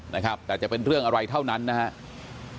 นะครับแต่จะเป็นเรื่องอะไรเท่านั้นนะครับ